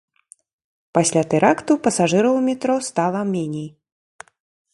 Пасля тэракту пасажыраў у метро стала меней.